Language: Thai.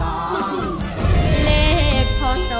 ร้องได้ให้ร้อง